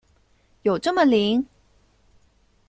有这么灵？